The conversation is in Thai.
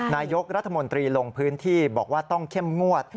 นายกรัฐมนตรีลงพื้นที่บอกว่าต้องเข้มงวด